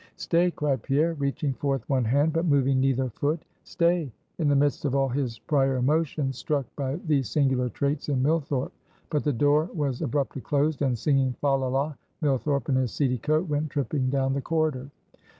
"Stay!" cried Pierre, reaching forth one hand, but moving neither foot "Stay!" in the midst of all his prior emotions struck by these singular traits in Millthorpe. But the door was abruptly closed; and singing Fa, la, la: Millthorpe in his seedy coat went tripping down the corridor.